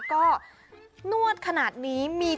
ก็นวดขนาดนี้